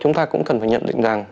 chúng ta cũng cần phải nhận định rằng